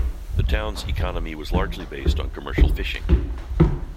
The town’s economy was largely based on commercial fishing.